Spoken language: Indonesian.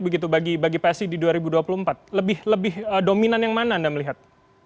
begitu bagi psi di dua ribu dua puluh empat lebih dominan yang mana anda melihat